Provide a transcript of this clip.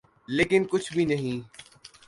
لیکن کچھ بھی نہیں۔